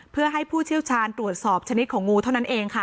เพื่อให้ผู้เชี่ยวชาญตรวจสอบชนิดของงูเท่านั้นเองค่ะ